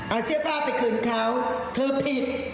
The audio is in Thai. เอาเสื้อผ้าไปคืนเขาเธอผิด